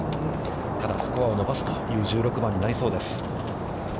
ただ、スコアを伸ばすという１６番になりそうです。